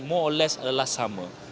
more or less adalah sama